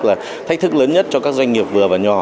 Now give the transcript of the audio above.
là thách thức lớn nhất cho các doanh nghiệp vừa và nhỏ